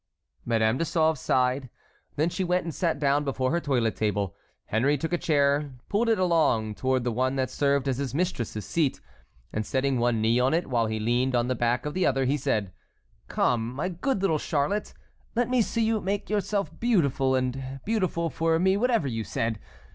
Madame de Sauve sighed; then she went and sat down before her toilet table. Henry took a chair, pulled it along toward the one that served as his mistress's seat, and setting one knee on it while he leaned on the back of the other, he said: "Come, my good little Charlotte, let me see you make yourself beautiful, and beautiful for me whatever you said.